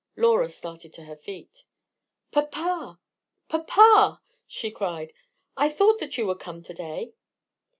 Laura started to her feet. "Papa!—papa!" she cried; "I thought that you would come to day!"